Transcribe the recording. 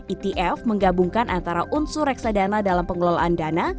etf menggabungkan antara unsur reksadana dalam pengelolaan dana